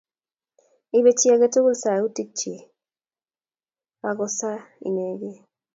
ipey chi age tugul sautik chik ako sa inegei